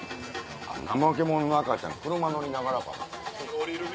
ナマケモノの赤ちゃん車乗りながら？